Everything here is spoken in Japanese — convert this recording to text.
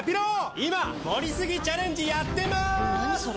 今、もりすぎチャレンジやってま何それ？